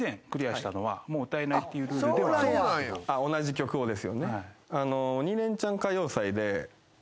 同じ曲をですよね。